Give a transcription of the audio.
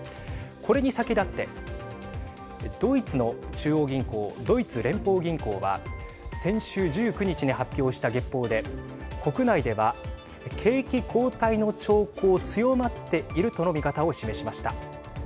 これに先立ってドイツの中央銀行ドイツ連邦銀行は先週１９日に発表した月報で国内では景気後退の兆候強まっているとの見方を示しました。